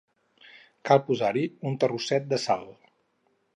Cal posar-hi un terrosset de sal.